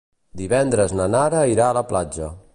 Divendres na Nara irà a la platja.